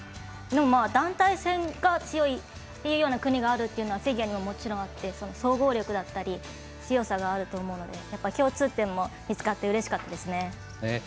でも、団体戦が強いというような国があるというのはフィギュアにももちろんあって総合力だったり強さがあると思うので共通点も見つかってうれしかったですね。